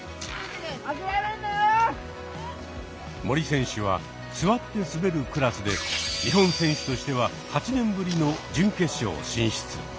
森選手は座って滑るクラスで日本選手としては８年ぶりの準決勝進出。